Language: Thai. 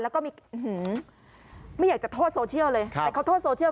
แล้วก็มีไม่อยากจะโทษโซเชียลเลยแต่เขาโทษโซเชียล